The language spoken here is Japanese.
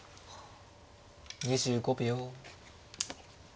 ２５秒。